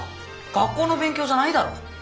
学校の勉強じゃないだろ。